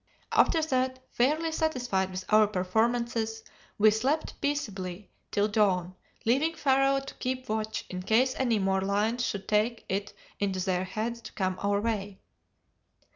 "After that, fairly satisfied with our performances, we slept peaceably till dawn, leaving Pharaoh to keep watch in case any more lions should take it into their heads to come our way.